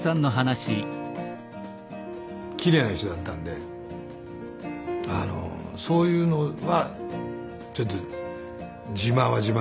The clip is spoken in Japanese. きれいな人だったんでそういうのはちょっと自慢は自慢だったですねだから。